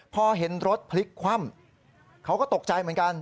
พอเห็นรถพลิกคว่ำเขาก็ตกใจเหมือนกัน